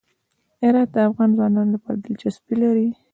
هرات د افغان ځوانانو لپاره دلچسپي لري.